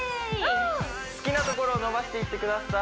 好きなところを伸ばしていってください